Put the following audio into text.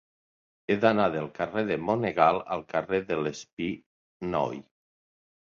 He d'anar del carrer de Monegal al carrer de l'Espinoi.